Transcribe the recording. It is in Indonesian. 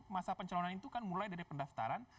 masa pencalonan itu kan mulai dari pendaftaran